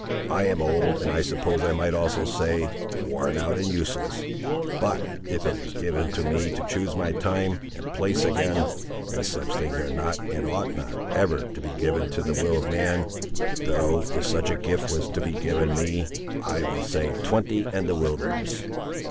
I am old, and I suppose I might also say, worn out and useless; but, if it was given me to choose my time, and place, again,—as such things are not and ought not ever to be given to the will of man—though if such a gift was to be given me, I would say, twenty and the wilderness!